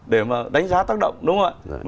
để mà đánh giá tác động đúng không ạ